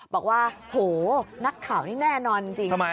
บอกว่าโหนักข่าวนี่แน่นอนจริง